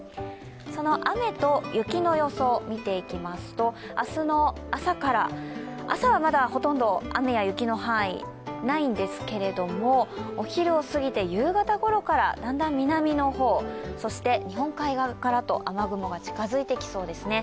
その雨と雪の予想を見ていきますと明日の朝から朝はまだほとんど雨や雪の範囲ないんですけれどもお昼をすぎて夕方ごろから、だんだん南の方、そして日本海側からと雨雲が近づいてきそうですね。